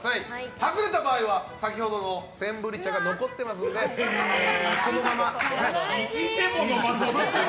外れた場合は、先ほどのセンブリ茶が残ってますので意地でも飲まそうとしてくる。